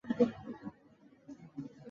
坟丘处也发现了和埴轮。